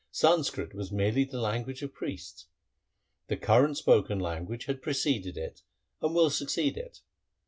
Sanskrit was merely the language of priests. The current spoken lan guage had preceded it and will succeed it.